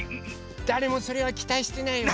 だれもそれはきたいしてないよ。